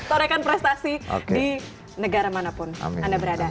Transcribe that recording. torekan prestasi di negara manapun anda berada